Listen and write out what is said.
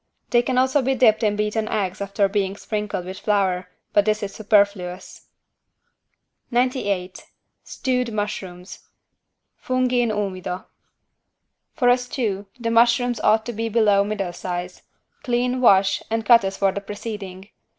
They can also be dipped in beaten eggs after being sprinkled with flour, but this is superfluous. 98 STEWED MUSHROOMS (Funghi in umido) For a stew the mushrooms ought to be below middle size. Clean, wash and cut as for the preceding.